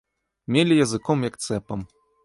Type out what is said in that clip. Меле языком, як цэпам.